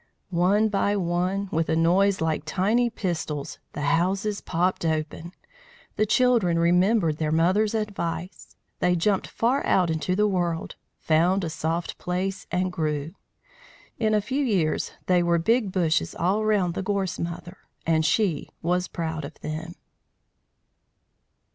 One by one, with a noise like tiny pistols, the houses popped open. The children remembered their mother's advice. They jumped far out into the world, found a soft place, and grew. In a few years they were big bushes all round the Gorse Mother, and she was proud of them.